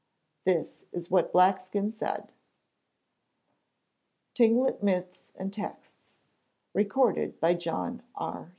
This is what Blackskin said. [_Tlingit Myths and Texts, recorded by John R.